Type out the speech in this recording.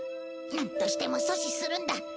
なんとしても阻止するんだ。